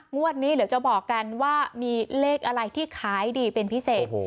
งวดนี้เดี๋ยวจะบอกกันว่ามีเลขอะไรที่ขายดีเป็นพิเศษ